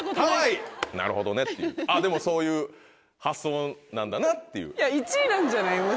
なるほどねっていうでもそういう発想なんだなっていう。